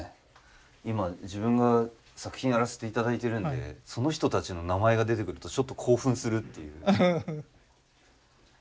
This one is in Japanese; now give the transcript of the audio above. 今自分が作品やらせていただいてるのでその人たちの名前が出てくるとちょっと興奮するっていう。